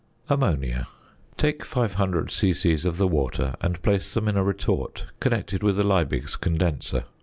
~Ammonia.~ Take 500 c.c. of the water and place them in a retort connected with a Liebig's condenser.